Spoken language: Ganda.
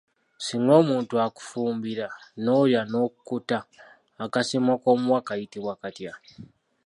Singa omuntu akufumbira n'olya n'okkuta akasiimo k'omuwa kayitibwa katya?